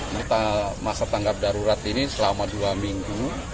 ini masa tanggap darurat ini selama dua minggu